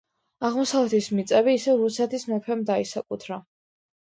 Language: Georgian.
აღმოსავლეთი მიწები ისევ რუსეთის მეფემ დაისაკუთრა.